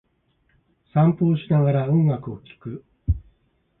散歩をしながら、音楽を聴く。